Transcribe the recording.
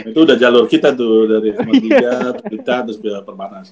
itu udah jalur kita tuh dari matiga perintah terus perpanas